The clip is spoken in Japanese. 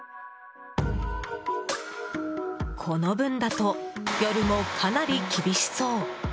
この分だと夜もかなり厳しそう。